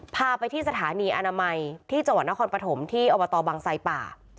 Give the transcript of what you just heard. พาไปที่สถานีอนามัยที่จังหวัดนครปฐมที่อบตบังไซป่า